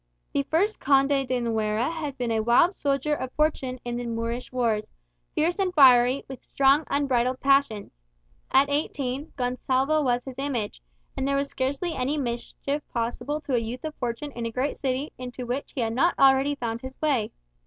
The first Conde de Nuera had been a wild soldier of fortune in the Moorish wars, fierce and fiery, with strong unbridled passions. At eighteen, Gonsalvo was his image; and there was scarcely any mischief possible to a youth of fortune in a great city, into which he had not already found his way.